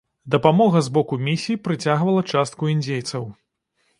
Дапамога з боку місій прыцягвала частку індзейцаў.